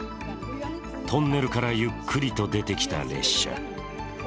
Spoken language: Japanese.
トンネルからゆっくりと出てきた列車。